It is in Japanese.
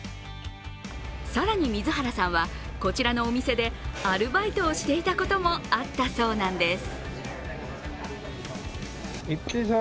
更に、水原さんはこちらのお店でアルバイトをしていたこともあったそうなんです。